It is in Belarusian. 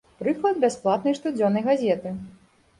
Прыклад бясплатнай штодзённай газеты.